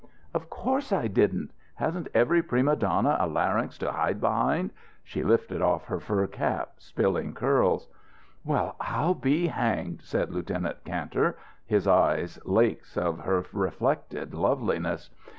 "Of course I didn't! Hasn't every prima donna a larynx to hid behind?" She lifted off her fur cap, spilling curls. "Well, I I'll be hanged!" said Lieutenant Kantor, his eyes lakes of her reflected loveliness.